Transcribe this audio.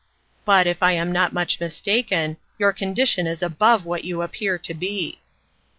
But, if I am not much mistaken, your condition is above what you appear to be."